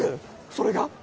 それが？